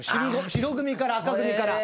白組から紅組から。